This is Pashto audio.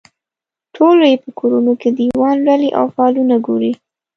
ټول یې په کورونو کې دیوان لولي او فالونه ګوري.